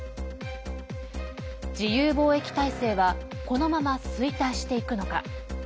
自由貿易体制はこのまま衰退していくのか。